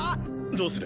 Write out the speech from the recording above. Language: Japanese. どうする？